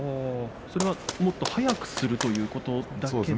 それはもっと早くするということですか。